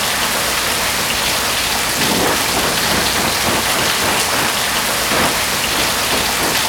Il travaille le plus souvent en équipe avec Bruno Mouron.